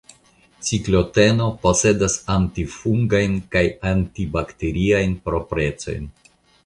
Cikloteno posedas antifungajn kaj antibakteriajn proprecojn.